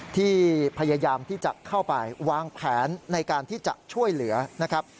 ที่พยายามที่จะเข้าไปวางแผนในการที่จะช่วยเหลือนะครับ